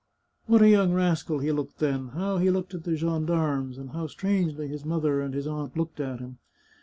What a young rascal he looked then ! How he looked at the gendarmes, and how strangely his mother and his aunt looked at him!